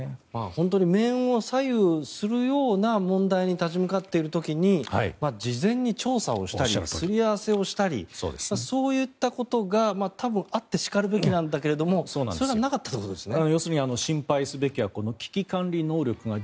本当に命運を左右するような問題に立ち向かっている時に事前に調査をしたりすり合わせをしたりそういったことが多分あってしかるべきなんだけどもそれがなかったということですよね。